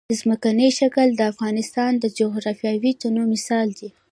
ځمکنی شکل د افغانستان د جغرافیوي تنوع مثال دی.